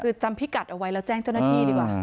คือจำพิกัดเอาไว้แล้วแจ้งเจ้าหน้าที่ดีกว่า